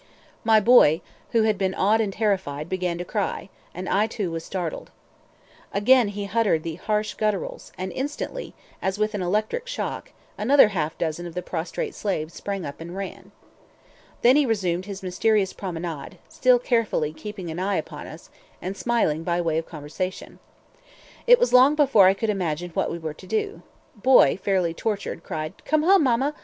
My boy, who had been awed and terrified, began to cry, and I too was startled. Again he uttered the harsh gutturals, and instantly, as with an electric shock, another half dozen of the prostrate slaves sprang up and ran. Then he resumed his mysterious promenade, still carefully keeping an eye upon us, and smiling by way of conversation. It was long before I could imagine what we were to do. Boy, fairly tortured, cried "Come home, mamma!